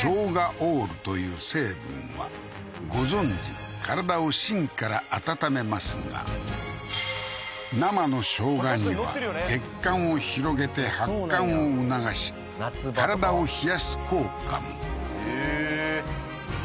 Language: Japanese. オールという成分はご存じ体を芯から温めますが生の生姜には血管を広げて発汗を促し体を冷やす効果もへえー